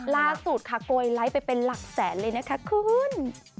ล่าสุดค่ะโกยไลค์ไปเป็นหลักแสนเลยนะคะคุณ